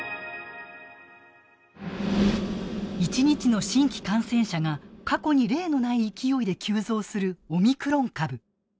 １日の新規感染者が過去に例のない勢いで急増するオミクロン株。